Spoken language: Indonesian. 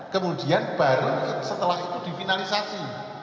kemudian baru setelah itu difinalisasi